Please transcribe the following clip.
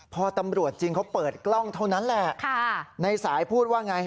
พอตำรวจจริงเขาเปิดกล้องเท่านั้นแหละในสายพูดว่าไง